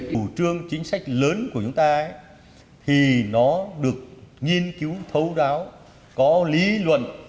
chủ trương chính sách lớn của chúng ta thì nó được nghiên cứu thấu đáo có lý luận